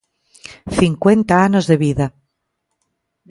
Cincuenta anos de vida.